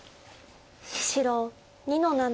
白２の七。